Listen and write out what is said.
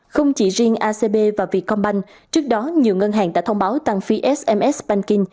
không chỉ riêng acb và vietcombank trước đó nhiều ngân hàng đã thông báo tăng phí sms banking